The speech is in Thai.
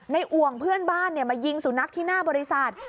ห่วงเพื่อนบ้านมายิงสุนัขที่หน้าบริษัท